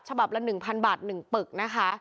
ฌละ๑บาทปรึก